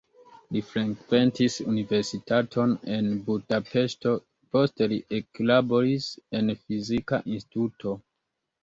Li frekventis universitaton en Budapeŝto, poste li eklaboris en fizika instituto.